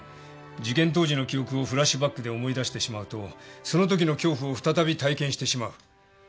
事件当時の記憶をフラッシュバックで思い出してしまうとそのときの恐怖を再び体験してしまう。